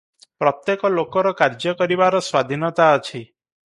ପ୍ରତ୍ୟେକ ଲୋକର କାର୍ଯ୍ୟ କରିବାର ସ୍ୱାଧୀନତା ଅଛି ।